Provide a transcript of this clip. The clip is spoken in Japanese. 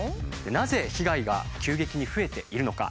なぜ被害が急激に増えているのか。